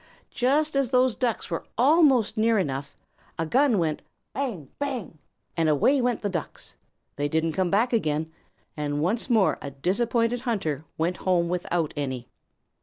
Just as those Ducks were almost near enough, a gun went "bang, bang," and away went the Ducks. They didn't come back again, and once more a disappointed hunter went home without any.